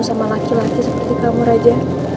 sama laki laki seperti kamu raja